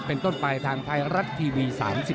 เป็นต้นไปทางไทยรัฐทีวี๓๒